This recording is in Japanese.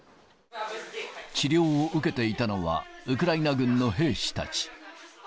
治療を受けていたのは、ウクライナ軍の兵士たち。